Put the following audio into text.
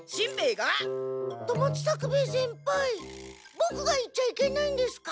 ボクが行っちゃいけないんですか？